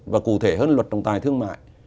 và cụ thể hơn luật trọng tài thương mại